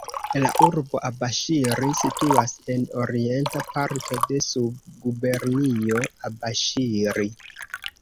La urbo Abaŝiri situas en orienta parto de Subgubernio Abaŝiri.